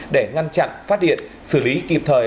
để ngăn chặn phát hiện xử lý kịp thời